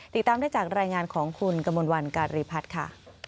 ติดตามได้จากรายงานของคุณกมลวันการีพัฒน์ค่ะ